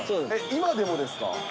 今でもですか？